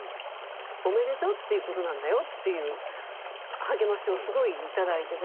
おめでとうっていう事なんだよっていう励ましをすごい頂いてね。